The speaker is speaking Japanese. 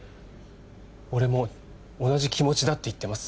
俺も同じ気持ちだって言ってます